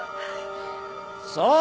そう！